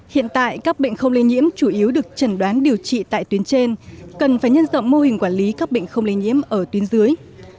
hiện tại các bệnh không lây nhiễm chủ yếu được trần đoán điều trị tại tuyến trên cần phải nhân rộng mô hình quản lý các bệnh không lây nhiễm ở tuyến dưới